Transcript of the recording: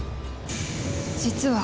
実は